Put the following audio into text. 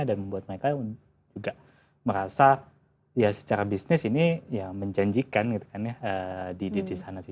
dan membuat mereka juga merasa ya secara bisnis ini ya menjanjikan gitu kan ya di sana sih